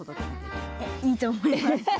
いいと思います。